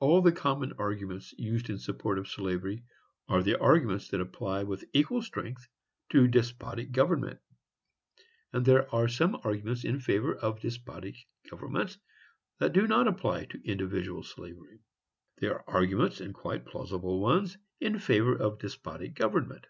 All the common arguments used in support of slavery are arguments that apply with equal strength to despotic government, and there are some arguments in favor of despotic governments that do not apply to individual slavery. There are arguments, and quite plausible ones, in favor of despotic government.